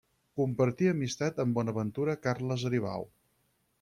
Compartí amistat amb Bonaventura Carles Aribau.